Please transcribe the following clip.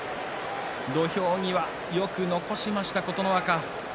土俵際、よく残しました琴ノ若。